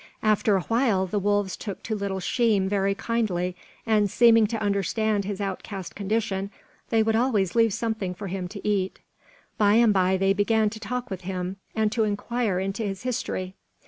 After a while, the wolves took to little Sheem very kindly, and seeming to understand his outcast condition, they would always leave something for him to eat. By and by they began to talk with him, and to inquire into his history.